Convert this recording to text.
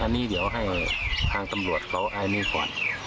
อันนี้เดี๋ยวให้ทางตำรวจเขาอันนี้ก่อน